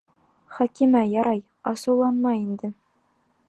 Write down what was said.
Хәкимә, ярай, асыуланма инде.